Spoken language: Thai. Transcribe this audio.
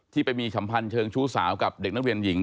ไปมีสัมพันธ์เชิงชู้สาวกับเด็กนักเรียนหญิง